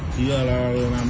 thì bây giờ là làm